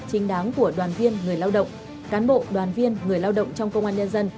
chính đáng của đoàn viên người lao động cán bộ đoàn viên người lao động trong công an nhân dân